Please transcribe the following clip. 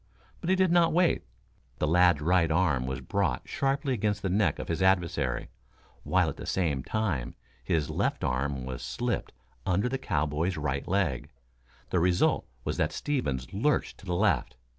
But he did not wait. The lad's right arm was brought sharply against the neck of his adversary, while at the same time his left arm was slipped under the cowboy's right leg. The result was that Stevens lurched to the left.